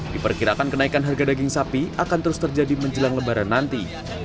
diperkirakan kenaikan harga daging sapi akan terus terjadi menjelang lebaran nanti